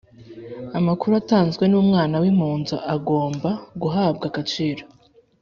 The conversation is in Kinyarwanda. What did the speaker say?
Amakuru atanzwe n umwana w impunzi agomba guhabwa agaciro